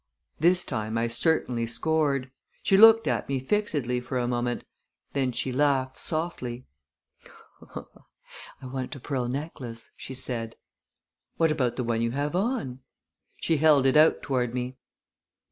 This time I certainly scored. She looked at me fixedly for a moment. Then she laughed softly. "I want a pearl necklace," she said. "What about the one you have on?" She held it out toward me.